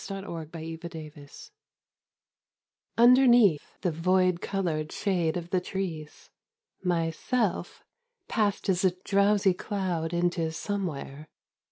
SEAS OF LONELINESS Underneath the void coloured shade of the trees, my ' self ' passed as a drowsy cloud into Somewhere.